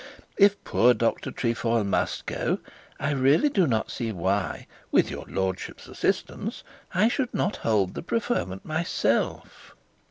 If poor Dr Trefoil must go, I really do not see why, with your lordship's assistance, I should not hold the preferment myself.'